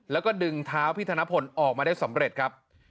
แล้วก็ดึงเท้าพี่ธนพลออกมาได้สำเร็จครับ